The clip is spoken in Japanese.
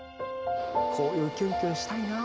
こういうキュンキュンしたいな。